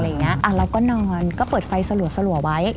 เราก็นอนก็เปิดไฟสลัวไว้